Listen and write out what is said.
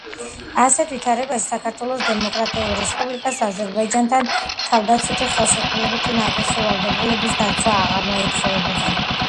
ასეთ ვითარებაში საქართველოს დემოკრატიულ რესპუბლიკას აზერბაიჯანთან თავდაცვითი ხელშეკრულებით ნაკისრი ვალდებულების დაცვა აღარ მოეთხოვებოდა.